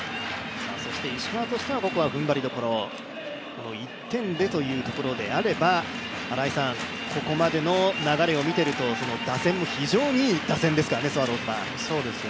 この１点でというところであれば、ここまでの流れを見ていると打線も非常にいい打線ですからねスワローズは。